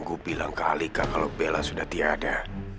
gue bilang ke alika kalau bella sudah tiada